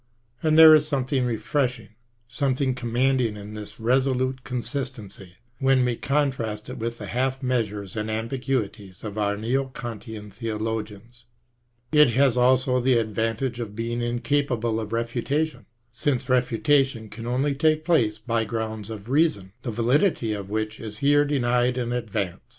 And there is something refreshing, some thing commanding in thi» resolute consistency, when we contrast it with the half measures and the ambiguities of our " Neo Kantian '* theologians. It has also the advantage of being incapable of refiita KIERKEGAABB, 213 tion, since refutation can only take place by grounds of reason, the validity of which is here denied in advance.